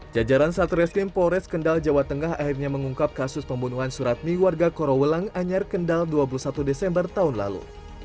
jajaran satreskrim polres kendal jawa tengah akhirnya mengungkap kasus pembunuhan suratmi warga korowelang anyar kendal dua puluh satu desember tahun lalu